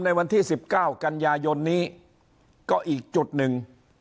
ในวันที่๑๙กันยายนนี้ก็อีกจุดหนึ่ง